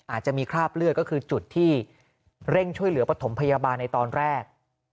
อาจจะมีคราบเลือดก็คือจุดที่เร่งช่วยเหลือปฐมพยาบาลในตอนแรก